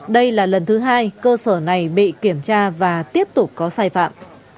đây là lần thứ hai cơ sở này bị kiểm tra và tiếp tục có sai phạm